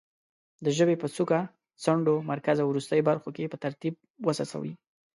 د ژبې په څوکه، څنډو، مرکز او وروستۍ برخو کې په ترتیب وڅڅوي.